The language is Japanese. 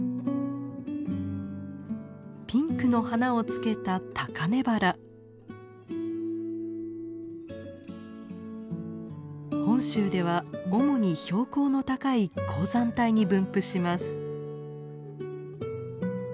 ピンクの花をつけた本州では主に標高の高い高山帯に分布します。